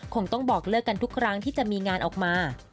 คงต้องบอกเลิกกันทุกครั้งที่จะมีงานออกมา